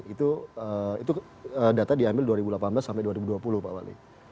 itu data diambil dua ribu delapan belas sampai dua ribu dua puluh pak wali